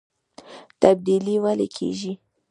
تبدیلي ولې کیږي؟